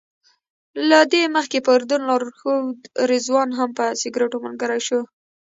له دې مخکې په اردن کې لارښود رضوان هم په سګرټو ملګری شو.